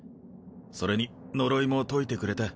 それに呪いも解いてくれた。